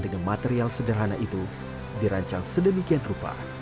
dengan material sederhana itu dirancang sedemikian rupa